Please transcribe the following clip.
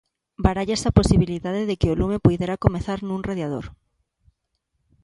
Barállase a posibilidade de que o lume puidera comezar nun radiador.